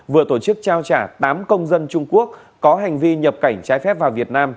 vừa tổ chức trao trả tám công dân trung quốc có hành vi nhập cảnh trái phép vào việt nam